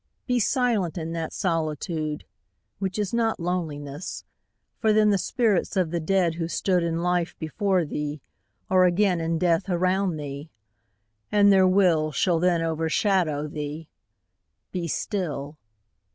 Be silent in that solitude Which is not loneliness for then The spirits of the dead who stood In life before thee are again In death around thee and their will Shall overshadow thee: be still.